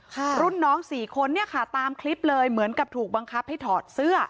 รุ่นน้องสี่คนเนี่ยค่ะตามคลิปเลยเหมือนกับถูกบังคับให้ถอดเสื้อ